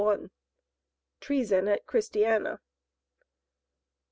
"TREASON AT CHRISTIANA."